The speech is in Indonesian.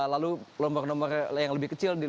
lalu nomor nomor yang lebih kecil